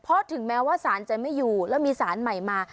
เพราะถึงแม้ว่าสารจะไม่อยู่แล้วมีสารใหม่มา